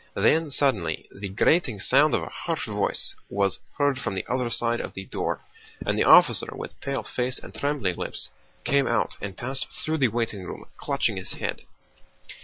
Then suddenly the grating sound of a harsh voice was heard from the other side of the door, and the officer—with pale face and trembling lips—came out and passed through the waiting room, clutching his head.